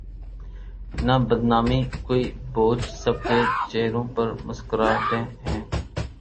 نہ بدنامی کوئی بوجھ سب کے چہروں پر مسکراہٹیں ہیں۔